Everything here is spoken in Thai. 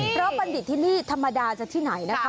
เพราะบัณฑิตที่นี่ธรรมดาจะที่ไหนนะคะ